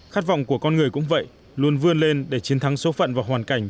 những ngày qua nhiều cánh đồng ngô đã không kể ngày đêm để chiến thắng số phận và hoàn cảnh